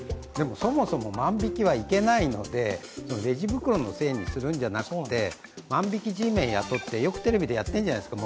そもそも万引きはいけないのでレジ袋のせいにするんじゃなくて万引きＧメン雇って、よくテレビでやってるじゃないですか。